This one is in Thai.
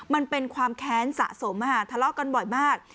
มันเป็นความแค้นสะสมทะเลาะกันบ่อยมาก